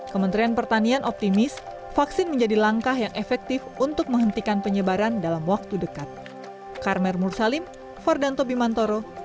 kementerian pertanian optimis vaksin menjadi langkah yang efektif untuk menghentikan penyebaran dalam waktu dekat